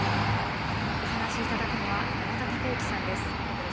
お話し頂くのは山田孝之さんです。